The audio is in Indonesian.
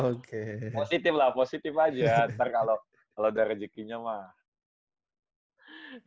positif lah positif aja ntar kalau udah rezekinya mah